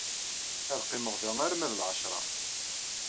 Ad qqimeɣ da arma d lɛecṛa.